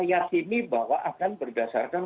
yakini bahwa akan berdasarkan